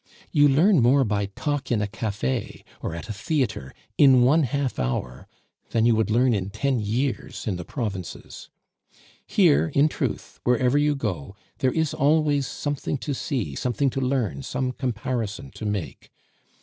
You learn more by talk in a cafe, or at a theatre, in one half hour, than you would learn in ten years in the provinces. Here, in truth, wherever you go, there is always something to see, something to learn, some comparison to make.